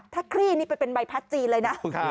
ถ้าคลี่นี่ไปเป็นใบพัดจีนเลยนะ